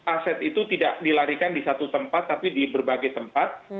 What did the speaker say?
aset itu tidak dilarikan di satu tempat tapi di berbagai tempat